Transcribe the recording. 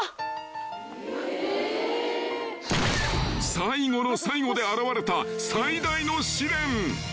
［最後の最後で現れた最大の試練］